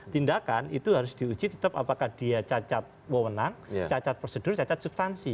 tindakan itu harus diuji tetap apakah dia cacat wewenang cacat prosedur cacat substansi